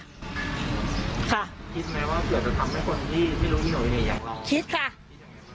คิดไหมว่าเผื่อจะทำให้คนที่ไม่รู้ที่หน่วยอย่างเราคิดค่ะ